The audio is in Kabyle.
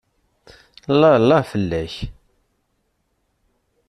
Llah llah fell-ak!